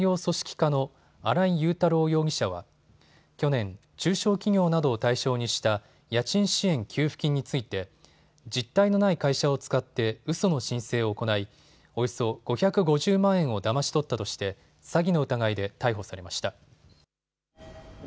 課の新井雄太郎容疑者は去年、中小企業などを対象にした家賃支援給付金について実体のない会社を使ってうその申請を行いおよそ５５０万円をだまし取ったとして詐欺の疑いで逮捕されました。